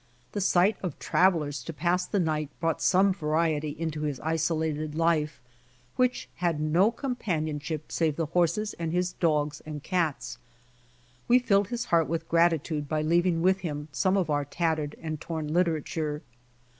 The sight of travelers to pass the night brought some variety into his isolated life, which had no companionship save the horses and his dogs and cats. We filled his heart with gratitude by leaving with him some of our tattered and torn literature.